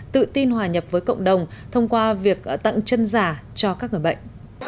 tự tin hòa nhập với cộng đồng thông qua việc tặng chân giả cho các người bệnh